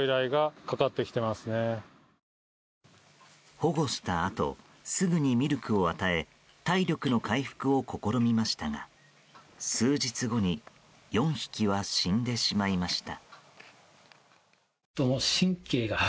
保護したあとすぐにミルクを与え体力の回復を試みましたが数日後に４匹は死んでしまいました。